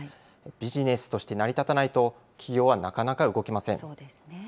ビジネスとして成り立たないと企業はなかなか動けません。